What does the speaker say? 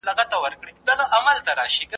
آيا الله تعالی هر شخص ته برخه ټاکلې ده؟